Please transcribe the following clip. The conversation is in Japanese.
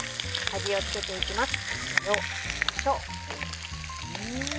味をつけていきます。